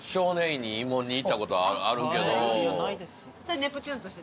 それネプチューンとして？